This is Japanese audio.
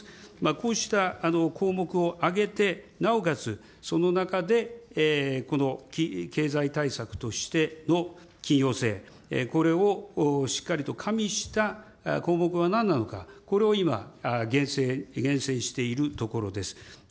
こうした項目をあげて、なおかつ、その中でこの経済対策としての緊要性、これをしっかりと加味した項目はなんなのか、これを今、厳選しているところであります。